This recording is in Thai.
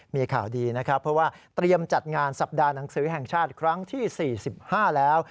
มีข่าวดีนะครับเพราะว่าเตรียมจัดงานสัปดาห์หนังสือแห่งชาติครั้งที่๔๕แล้ว